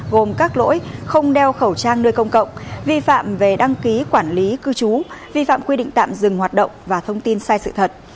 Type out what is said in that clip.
gồm các lỗi không đeo khẩu trang nơi công cộng vi phạm về đăng ký quản lý cư trú vi phạm quy định tạm dừng hoạt động và thông tin sai sự thật